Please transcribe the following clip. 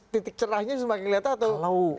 titik cerahnya semakin kelihatan atau